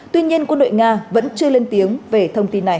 tuy nhiên quân đội nga vẫn chưa lên tiếng về thông tin này